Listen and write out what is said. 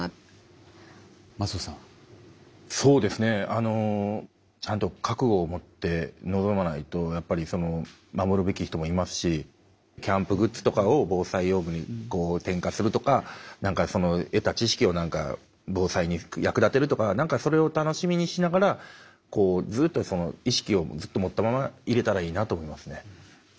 あのちゃんと覚悟を持って臨まないと守るべき人もいますしキャンプグッズとかを防災用具に転化するとか得た知識を防災に役立てるとかそれを楽しみにしながらずっと意識を持ったままいれたらいいなと思いますね。